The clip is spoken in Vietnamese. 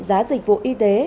giá dịch vụ y tế